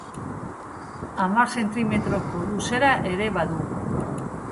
Hamar zentimetroko luzera ere badu.